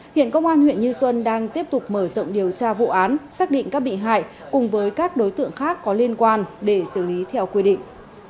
hiện công an huyện như xuân đang tiếp tục mở rộng điều tra vụ án xác định các bị hại cùng với các đối tượng khác có liên quan để xử lý theo quy định